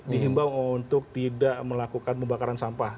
dihimbau untuk tidak melakukan pembakaran sampah